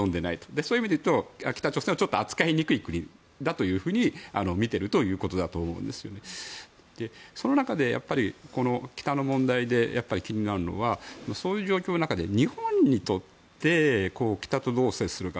そういう意味で北朝鮮は扱いにくいというふうに見ているということだと思いますが、その中で北の問題で気になるのはそういう状況の中で日本にとって北とどう接するか。